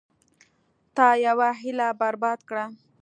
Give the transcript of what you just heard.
تا یوه هیله برباد کړه.